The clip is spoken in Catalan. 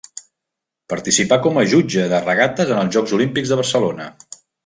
Participà com a jutge de regates en els Jocs Olímpics de Barcelona.